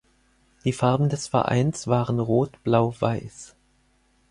Die Farben des Vereins waren Rot-Blau-Weiß.